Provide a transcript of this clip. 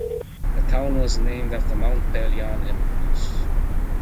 The town was named after Mount Pelion in Greece.